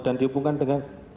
dan dihubungkan dengan